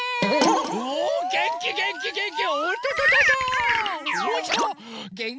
おげんきげんきげんき！